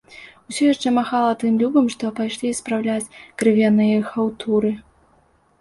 І ўсё яшчэ махала тым любым, што пайшлі спраўляць крывяныя хаўтуры.